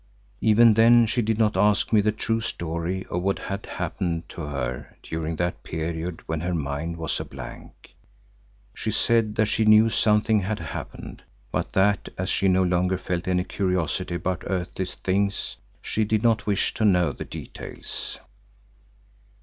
Even then she did not ask me the true story of what had happened to her during that period when her mind was a blank. She said that she knew something had happened but that as she no longer felt any curiosity about earthly things, she did not wish to know the details.